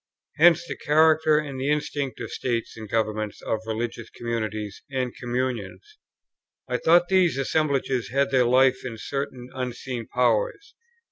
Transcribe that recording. Hence the character and the instinct of states and governments, of religious communities and communions. I thought these assemblages had their life in certain unseen Powers.